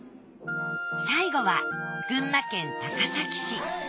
最後は群馬県高崎市。